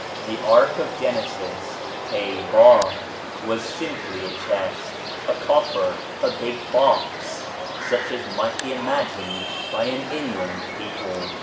The ark of Genesis (têbâh) was simply a chest, a coffer, a big box, such as might be imagined by an inland people.